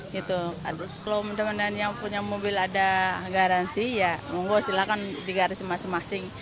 kalau teman teman yang punya mobil ada garansi ya silakan di garasi masing masing